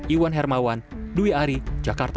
iwan hermawan dwi ari jakarta